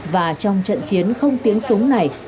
và trong trận chiến không tiếng súng này